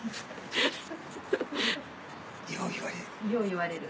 よう言われる。